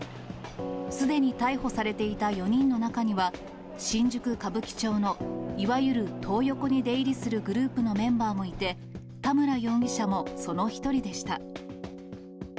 すでに逮捕されていた４人の中には、新宿・歌舞伎町のいわゆるトー横に出入りするグループのメンバーもいて、田村容疑者もその１人でした。